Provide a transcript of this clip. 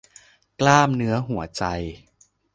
กล้ามเนื้อหัวใจ